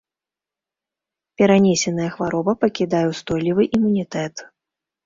Перанесеная хвароба пакідае ўстойлівы імунітэт.